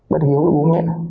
bất hiếu với bố mẹ